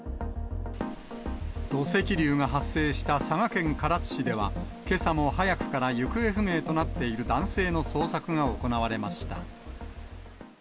土石流が発生した佐賀県唐津市では、けさも早くから、行方不明となっている男性の捜索が行われました。